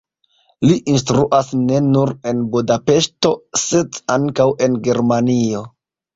Li instruas ne nur en Budapeŝto, sed ankaŭ en Germanio.